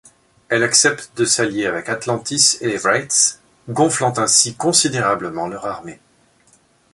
Elle accepte de s'allier avec Atlantis et les Wraiths, gonflant ainsi considérablement leur armée.